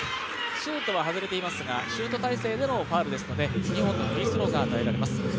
シュートは外れていますがシュート体勢でのファウルですので、２本のフリースローが与えられます